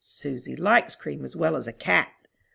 Susy likes cream as well as a cat."